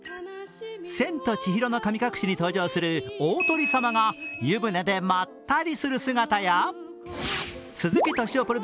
「千と千尋の神隠し」に登場するオオトリ様が湯舟でまったりする姿や、鈴木敏夫